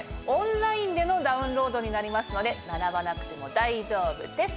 オンラインでのダウンロードになりますので並ばなくても大丈夫です。